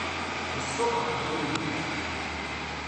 iṣṣeḍ uqjun-ihin.